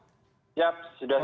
yap sudah siap mas